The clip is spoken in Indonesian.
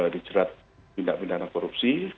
dijerat tindak pindahan korupsi